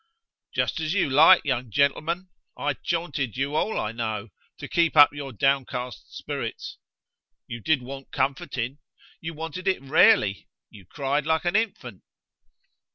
"Just as you like, young gentleman. I chaunted you all I know, to keep up your downcast spirits. You did want comforting. You wanted it rarely. You cried like an infant."